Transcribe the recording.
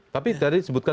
tapi tadi sebutkan